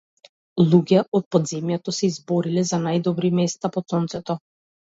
Луѓе од подземјето се избориле за најдобри места под сонцето.